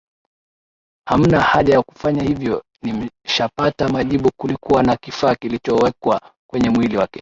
Hamna haja ya kufanya hivyo nimshapata majibu kulikuwa na kifaa kilichowekwa kwenye mwili wake